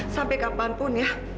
sampai kapanpun ya